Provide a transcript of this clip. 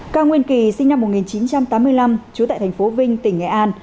cao nguyên kỳ sinh năm một nghìn chín trăm tám mươi năm trú tại tp vinh tỉnh nghệ an